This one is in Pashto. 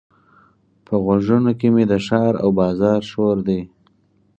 په غوږونو کې مې د ښار او بازار شور دی.